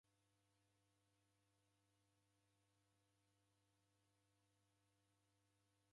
Nimoni nerepwana na mndwapo karamunyi ya vindo va kio.